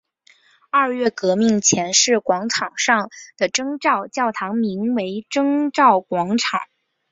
二月革命前以广场上的征兆教堂名为征兆广场。